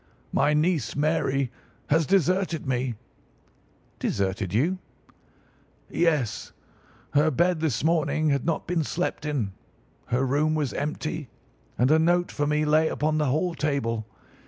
My niece, Mary, has deserted me." "Deserted you?" "Yes. Her bed this morning had not been slept in, her room was empty, and a note for me lay upon the hall table.